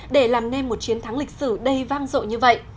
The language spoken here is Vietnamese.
để làm nên một chiến thắng lịch sử đầy vang rộ như vậy